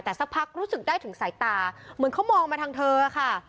แต่สักพักรู้สึกได้ถึงสายตาเหมือนเขามองมาทางเธอค่ะ